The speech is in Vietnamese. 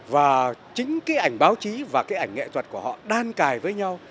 và chính cái ảnh báo chí và cái ảnh nghệ thuật của họ đan cài với nhau